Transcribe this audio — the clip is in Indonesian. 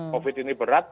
covid ini berat